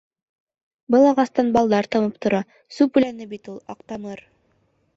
Был ағастан балдар тамып тора Сүп үләне бит ул — аҡтамыр.